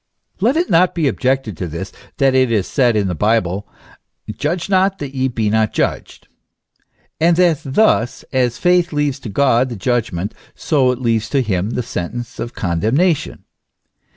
Let it not be objected to this, that it is said in the Bible, " Judge not, that ye be not judged;" and that thus, as faith leaves to God the judgment, so it leaves to him the sentence of condemnation.